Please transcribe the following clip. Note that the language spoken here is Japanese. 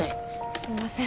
すいません。